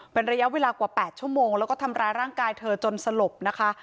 เป็นระยะเวลากว่า๘ชั่วโมงแล้วก็ทำร้ายร่างกายเธอจนสลบนะคะ